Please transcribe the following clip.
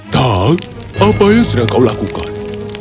tak apa yang sudah kau lakukan